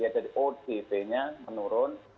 jadi otp nya menurun